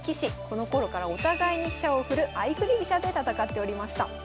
このころからお互いに飛車を振る相振り飛車で戦っておりました。